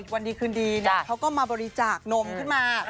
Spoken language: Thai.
วันดีคืนดีเขาก็มาบริจาคนมขึ้นมา